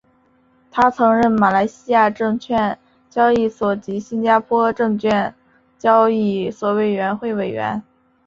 他曾任马来西亚证券交易所及新加坡证券交易所委员会会员。